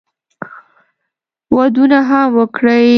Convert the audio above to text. ودونه هم وکړي.